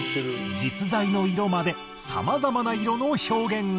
実在の色まで様々な色の表現が。